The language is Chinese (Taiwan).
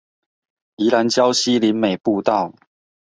宜蘭礁溪林美步道